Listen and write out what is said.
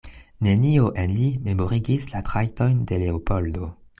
Nenio en li memorigis la trajtojn de Leopoldo.